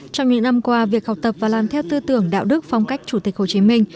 trong những năm qua việc học tập và làm theo tư tưởng đạo đức phong cách chủ tịch hồ chí minh